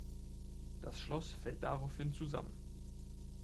Das Schloss fällt daraufhin zusammen.